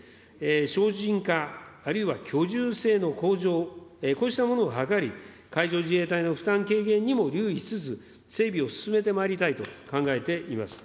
精進化、あるいは居住性の向上、こうしたものを図り、海上自衛隊の負担軽減にも留意しつつ、整備を進めてまいりたいと考えています。